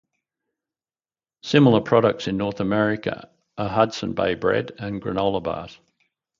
Similar products in North America are Hudson Bay Bread and granola bars.